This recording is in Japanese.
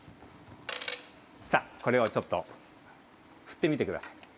これをちょっと振ってみてください。